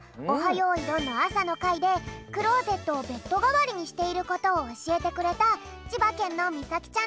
よいどん」のあさのかいでクローゼットをベッドがわりにしていることをおしえてくれたちばけんのみさきちゃんだぴょん。